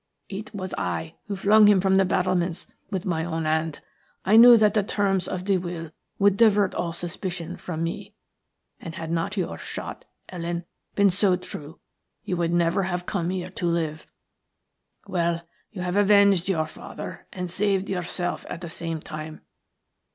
It was I who flung him from the battlements with my own hand. I knew that the terms of the will would divert all suspicion from me, and had not your shot, Helen, been so true you would never have come here to live. Well, you have avenged your father and saved yourself at the same time.